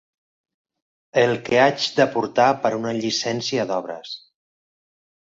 El que haig de portar per una llicència d'obres.